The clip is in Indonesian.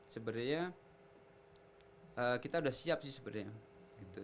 sebenarnya kita udah siap sih sebenarnya gitu